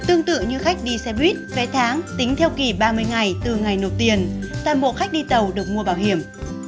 tương tự như khách đi xe buýt vé tháng tính theo kỳ ba mươi ngày từ ngày nộp tiền toàn bộ khách đi tàu được mua bảo hiểm